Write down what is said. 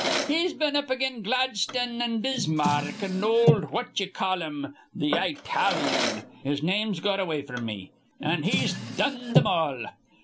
He's been up again Gladstun an' Bisma arck an' ol' what ye call 'im, th' Eyetalian, his name's got away from me, an' he's done thim all.